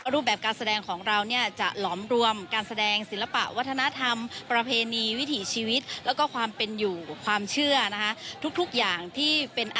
รูปแบบการแสดงของเราจะหลอมรวมการแสดงศิลปะวัฒนธรรมประเพณีวิถีชีวิตและก็ความเป็นอยู่ความเชื่อ